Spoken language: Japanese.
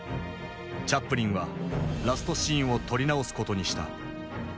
チャップリンはラストシーンを撮り直すことにした。